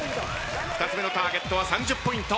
２つ目のターゲットは３０ポイント。